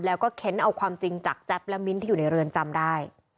แล้วก็เค้นเอาความจริงจากแจ๊บและมิ้นท์ที่อยู่ในเรือนจำได้